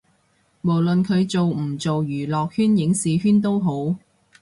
無論佢做唔做娛樂圈影視圈都好